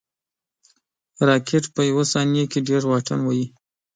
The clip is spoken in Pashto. راکټ په یو ثانیه کې ډېر واټن وهي